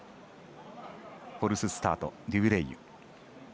フォルススタート、デュブレイユ。